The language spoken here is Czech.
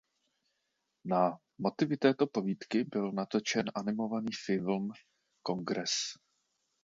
Na motivy této povídky byl natočen animovaný film Kongres.